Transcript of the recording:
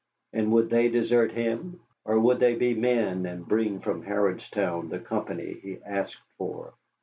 And would they desert him? Or would they be men and bring from Harrodstown the company he asked for?